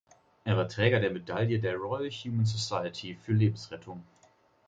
Er war Träger der Medaille der Royal Humane Society für Lebensrettung.